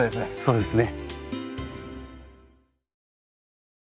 そうですね。